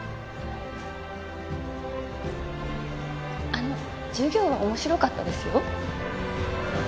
あの授業は面白かったですよ。